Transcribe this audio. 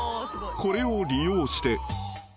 ［これを利用して］